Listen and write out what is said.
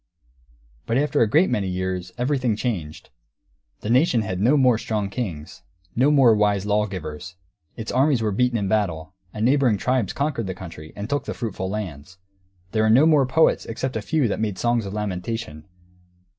But after a great many years, everything changed. The nation had no more strong kings, no more wise lawgivers; its armies were beaten in battle, and neighbouring tribes conquered the country and took the fruitful lands; there were no more poets except a few who made songs of lamentation.